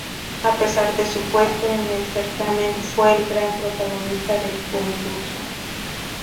A pesar de su puesto en el certamen, fue el gran protagonista del concurso.